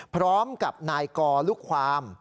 พร้อมกับนายกอลูกความ